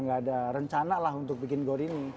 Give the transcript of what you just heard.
gak ada rencana lah untuk bikin gor ini